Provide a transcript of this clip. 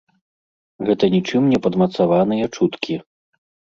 Гэта ні чым не падмацаваныя чуткі.